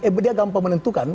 eh dia gampang menentukan